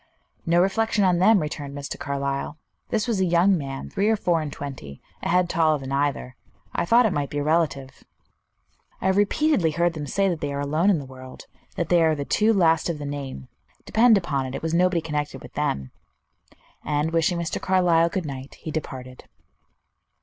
"No reflection on them," returned Mr. Carlyle. "This was a young man, three or four and twenty, a head taller than either. I thought it might be a relative." "I have repeatedly heard them say that they are alone in the world; that they are the two last of the name. Depend upon it, it was nobody connected with them;" and wishing Mr. Carlyle good night, he departed.